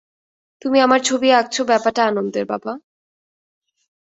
তুমি আবার ছবি আঁকছো ব্যাপারটা আনন্দের, বাবা।